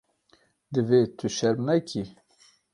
Divê tu şerm nekî.